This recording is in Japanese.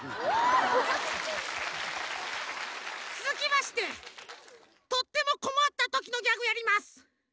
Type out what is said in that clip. つづきましてとってもこまったときのギャグやります。